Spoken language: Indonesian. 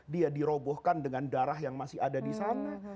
dia dirobohkan dengan darah yang masih ada di sana